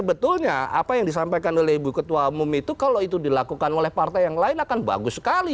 sebetulnya apa yang disampaikan oleh ibu ketua umum itu kalau itu dilakukan oleh partai yang lain akan bagus sekali